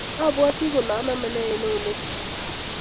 Abwoti kole aname ne eng eunekchu